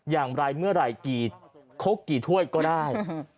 อย่างไรเมื่อไหร่กี่โค้กกี่ถ้วยก็ได้